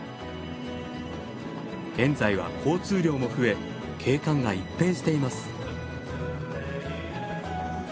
現在は交通量も増え景観が一変しています。